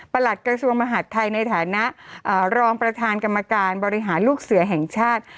หลัดกระทรวงมหาดไทยในฐานะรองประธานกรรมการบริหารลูกเสือแห่งชาติ